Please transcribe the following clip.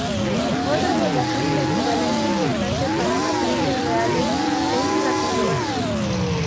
Otra relación de equivalencia importante para matrices reales es la congruencia.